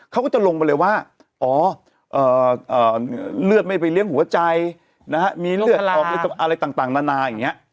เขาก็จะลงมาเลยว่าอ๋อเลือดไม่ไปเลี้ยงหัวใจมีเลือดออกอะไรต่างนานาอย่างนี้